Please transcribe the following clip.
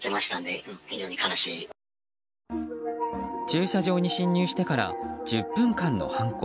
駐車場に侵入してから１０分間の犯行。